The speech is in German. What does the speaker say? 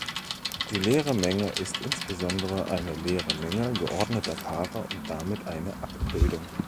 Die leere Menge ist insbesondere eine leere Menge geordneter Paare und damit eine Abbildung.